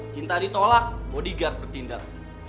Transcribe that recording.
cinta ditolak bodyguard bertindak